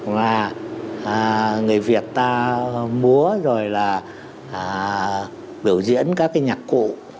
và người việt ta múa rồi là biểu diễn các cái nhạc cụ